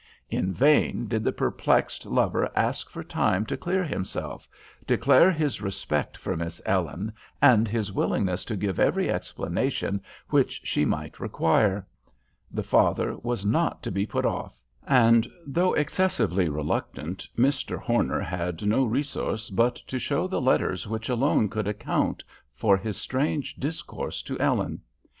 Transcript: In vain did the perplexed lover ask for time to clear himself, declare his respect for Miss Ellen and his willingness to give every explanation which she might require; the father was not to be put off; and though excessively reluctant, Mr. Horner had no resource but to show the letters which alone could account for his strange discourse to Ellen.